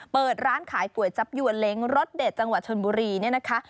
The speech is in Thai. เปิดร้านขายก๋วยจับยวนเล้งรสเด็ดจังหวัดชนบุรีเนี่ยนะคะ